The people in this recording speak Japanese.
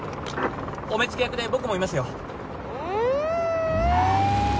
お目付け役で僕もいますよ。